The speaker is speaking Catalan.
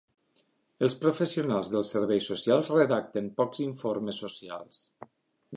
Els professionals de serveis socials redacten pocs informes socials.